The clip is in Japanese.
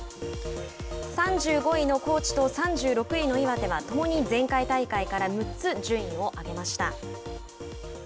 ３５位の高知と３６位の岩手は共に前回大会から６つ順位を上げました。